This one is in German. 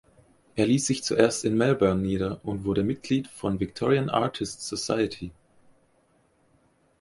Er ließ sich zuerst in Melbourne nieder und wurde Mitglied von Victorian Artists’ Society.